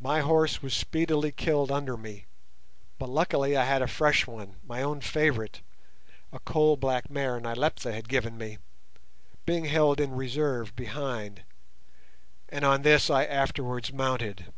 My horse was speedily killed under me, but luckily I had a fresh one, my own favourite, a coal black mare Nyleptha had given me, being held in reserve behind, and on this I afterwards mounted.